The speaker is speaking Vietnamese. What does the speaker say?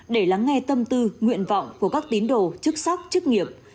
để lắng nghe tâm tư nguyện vọng của các tín đồ chức sắc chức nghiệp